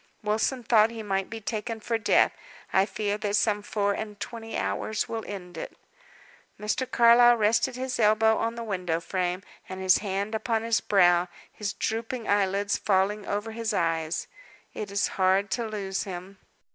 Wilson thought he might be taken for death. I fear that some four and twenty hours will end it." Mr. Carlyle rested his elbow on the window frame, and his hand upon his brow, his drooping eyelids falling over his eyes. "It is hard to lose him."